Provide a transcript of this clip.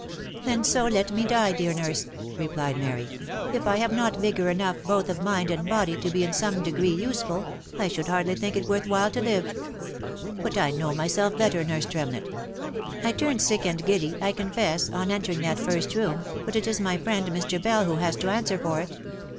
" Then so let me die, dear nurse !" replied Mary. " If I have not vigour enough both of mind and body to be in some degree useful, I should hardly think it worth while to live ; but I know myself better, nurse Tremlett. I turned sick and giddy, I confess, on entering that first room, but it is my friend, Mr. Bell, who has to answer for it.